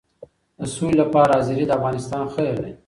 د سولې لپاره حاضري د افغانستان خیر دی.